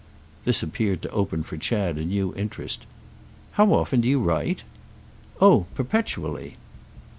This appeared to open for Chad a new interest. "How often do you write?" "Oh perpetually."